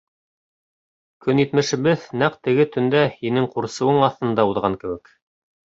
Көнитмешебеҙ нәҡ теге төндә һинең ҡурсыуың аҫтында уҙған кеүек.